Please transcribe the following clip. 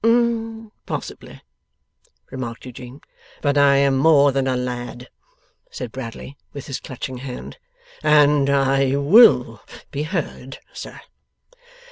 'Possibly,' remarked Eugene. 'But I am more than a lad,' said Bradley, with his clutching hand, 'and I WILL be heard, sir.